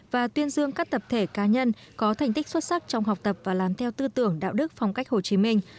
và tuyên dương các tập thể cá nhân có thành tích xuất sắc trong học tập và làm theo tư tưởng đạo đức phong cách hồ chí minh